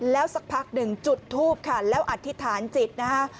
แล้วสักพักหนึ่งจุดทูปค่ะแล้วอธิษฐานจิตนะคะ